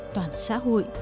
toàn xã hội